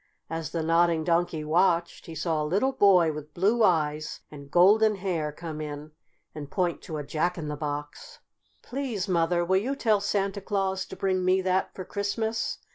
As the Nodding Donkey watched he saw a little boy with blue eyes and golden hair come in and point to a Jack in the Box. "Please, Mother, will you tell Santa Claus to bring me that for Christmas?"